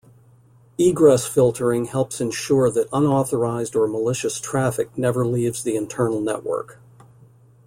Egress filtering helps ensure that unauthorized or malicious traffic never leaves the internal network.